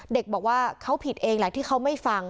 เด็กบอกว่าเขาผิดเองแหละที่เขาไม่ฟัง